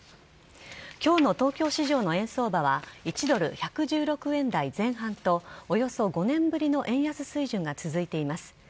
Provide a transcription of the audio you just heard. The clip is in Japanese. きょうの東京市場の円相場は１ドル１１６円台前半と、およそ５年ぶりの円安水準が続いています。